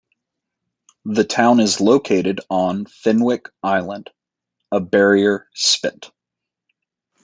The town is located on Fenwick Island, a barrier spit.